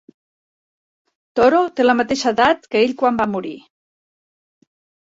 Toro té la mateixa edat que ell quan va morir.